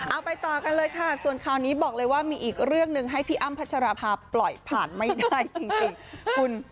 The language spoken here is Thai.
เอาไปต่อกันเลยค่ะส่วนข่าวนี้บอกเลยว่ามีอีกเรื่องหนึ่งให้พี่อ้ำพัชราภาปล่อยผ่านไม่ได้จริง